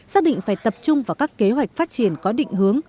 xác định phải tập trung vào các kế hoạch phát triển có định hướng